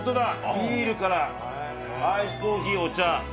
ビールからアイスコーヒーお茶。